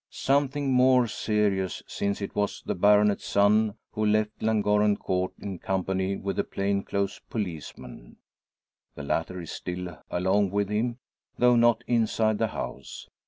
Something more serious; since it was the baronet's son who left Llangorren Court in company with the plain clothes policeman. The latter is still along with him; though not inside the house.